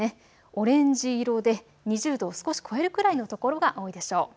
オレンジ色で２０度を少し超えるくらいの所が多いでしょう。